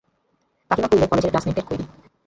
কাকীমা কইল, কলেজের ক্লাসমেটদের কইবি।